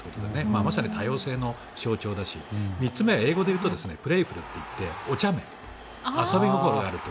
まさに多様性の象徴だし３つ目は英語でいうとクレイフルといっておちゃめ遊び心がある。